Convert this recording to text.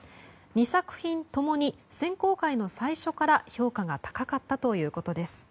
２作品ともに選考会の最初から評価が高かったということです。